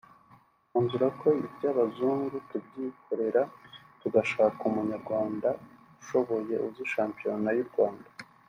twanzura ko ibya abazungu tubyihorera tugashaka umunyarwanda ushoboye uzi shampiyona y’u Rwanda